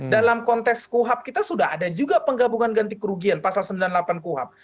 dalam konteks kuhap kita sudah ada juga penggabungan ganti kerugian pasal sembilan puluh delapan kuhap